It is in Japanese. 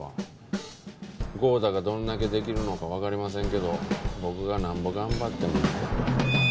豪太がどんだけできるのかわかりませんけど僕がなんぼ頑張ってもね。